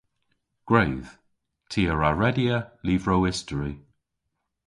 Gwredh. Ty a wra redya lyvrow istori.